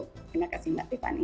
terima kasih mbak tiffany